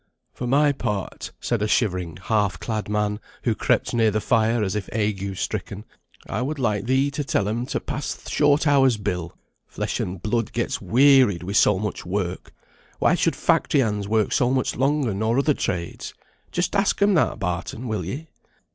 "For my part," said a shivering, half clad man, who crept near the fire, as if ague stricken, "I would like thee to tell 'em to pass th' Short hours Bill. Flesh and blood gets wearied wi' so much work; why should factory hands work so much longer nor other trades? Just ask 'em that, Barton, will ye?"